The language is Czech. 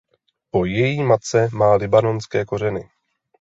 Po její matce má libanonské kořeny.